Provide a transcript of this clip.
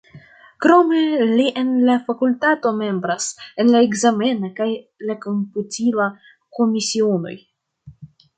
Krome li en la fakultato membras en la ekzamena kaj la komputila komisionoj.